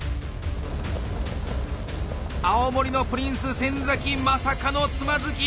青森のプリンス・先まさかのつまずき。